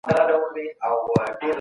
د کورنۍ سترګې تاسو ته په لار دي.